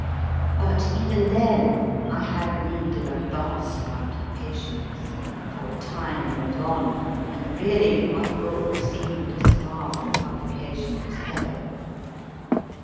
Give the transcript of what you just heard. But, even then, I had need of a vast amount of patience, for time went on, and really my book seemed as far from publication as ever.